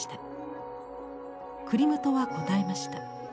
クリムトは答えました。